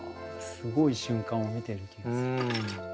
すごい瞬間を見てる気がする。